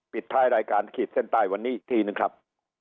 ปิดท้ายรายการขีดเส้นใต้วันนี้อีกทีหนึ่งครับ